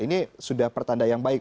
ini sudah pertanda yang baik